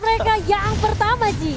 mereka yang pertama ji